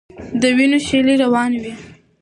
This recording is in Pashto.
د وینو شېلې روانې وې.